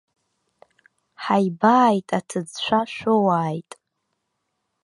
Ҳаибааит, аҭыӡшәа шәоуааит.